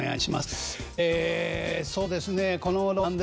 えそうですね